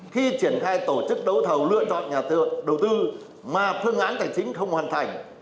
khi triển khai tổ chức đấu thầu lựa chọn nhà đầu tư mà phương án tài chính không hoàn thành